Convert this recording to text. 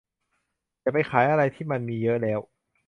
อย่าไปขายอะไรที่มันมีเยอะแล้ว